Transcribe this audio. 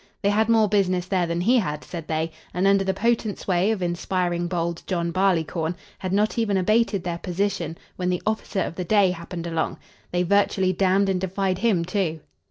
They had more business there than he had, said they, and, under the potent sway of "inspiring bold John Barleycorn" had not even abated their position when the officer of the day happened along. They virtually damned and defied him, too.